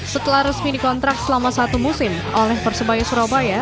setelah resmi dikontrak selama satu musim oleh persebaya surabaya